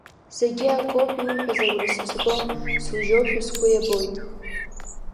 Зегьы акоуп, иуҳәаз агәра сызгом, сужьошәа сгәы иабоит.